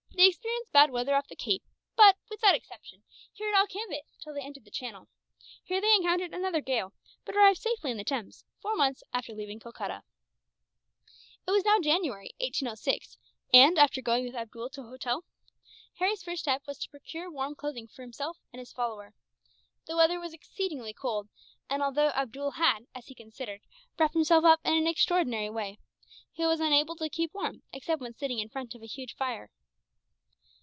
They experienced bad weather off the Cape but, with that exception, carried all canvas till they entered the Channel. Here they encountered another gale, but arrived safely in the Thames, four months after leaving Calcutta. It was now January, 1806, and after going with Abdool to an hotel, Harry's first step was to procure warm clothing for himself and his follower. The weather was exceedingly cold, and although Abdool had, as he considered, wrapped himself up in an extraordinary way, he was unable to keep warm, except when sitting in front of a huge fire.